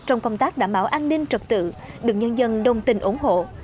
trong công tác đảm bảo an ninh trật tự được nhân dân đồng tình ủng hộ